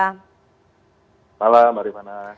selamat malam mbak rupana